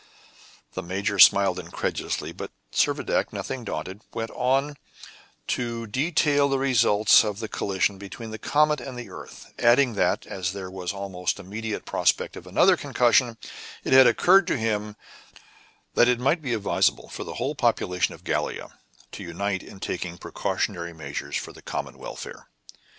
The major smiled incredulously; but Servadac, nothing daunted, went on to detail the results of the collision between the comet and the earth, adding that, as there was the almost immediate prospect of another concussion, it had occurred to him that it might be advisable for the whole population of Gallia to unite in taking precautionary measures for the common welfare.